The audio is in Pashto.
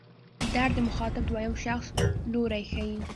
در د مخاطب دویم شخص لوری ښيي.